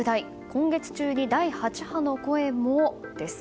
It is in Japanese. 今月中に第８波の声も、です。